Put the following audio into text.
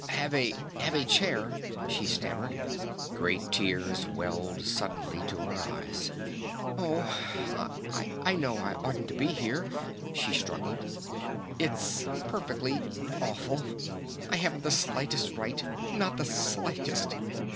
"Have a have a chair," she stammered. Great tears welled suddenly to her eyes. "Oh, I I know I oughtn't to be here," she struggled. "It's perfectly ... awful! I haven't the slightest right! Not the slightest!